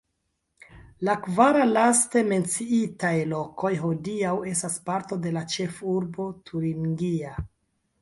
La kvar laste menciitaj lokoj hodiaŭ estas parto de la ĉefurbo turingia.